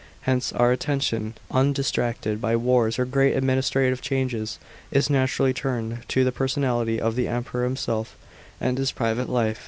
Hence our attention, undistracted by wars or great administrative changes, is naturally turned to the personality of the Emperor himself and his private life.